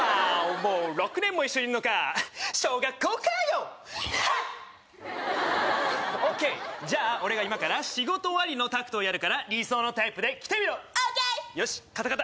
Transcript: もう６年も一緒にいるのか小学校かよハッオーケーじゃあ俺が今から仕事終わりのタクトをやるから理想のタイプで来てみろオーケーよしカタカタ